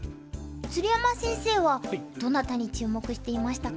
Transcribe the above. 鶴山先生はどなたに注目していましたか？